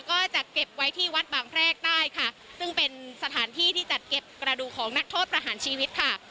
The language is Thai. ก็จะเก็บไว้ที่วัดบางแพรกใต้ค่ะซึ่งเป็นสถานที่ที่จัดเก็บกระดูกของนักโทษประหารชีวิตค่ะ